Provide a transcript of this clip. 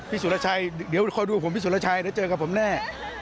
สุรชัยเดี๋ยวคอยดูผมพี่สุรชัยเดี๋ยวเจอกับผมแน่